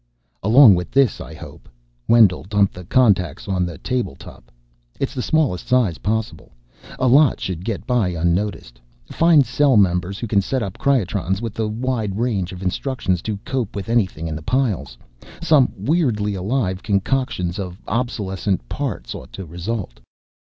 "Along with this, I hope." Wendell dumped the contacts on a table top. "It's the smallest size possible. A lot should get by unnoticed. Find cell members who can set up cryotrons with a wide range of instructions to cope with anything in the piles. Some weirdly alive concoctions of 'obsolescent' parts ought to result."